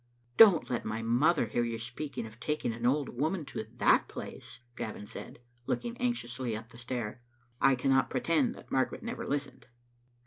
" Don't let my mother hear you speaking of taking an old woman to that place," Gavin said, looking anxiously up the stair. I cannot pretend that Margaret never listened.